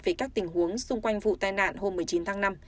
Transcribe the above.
về các tình huống xung quanh vụ tai nạn hôm một mươi chín tháng năm